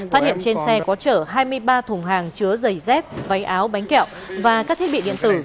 phát hiện trên xe có chở hai mươi ba thùng hàng chứa giày dép váy áo bánh kẹo và các thiết bị điện tử